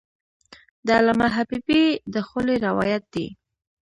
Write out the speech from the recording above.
د علامه حبیبي د خولې روایت دی.